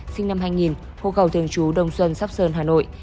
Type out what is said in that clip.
sinh năm hai nghìn khu cầu thường chú đông xuân sóc sơn hà nội